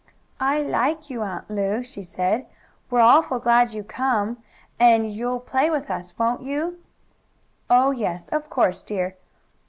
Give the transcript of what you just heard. "I like you, Aunt Lu," she said. "We're awful glad you came, and you'll play with us; won't you?" "Oh, yes, of course, dear.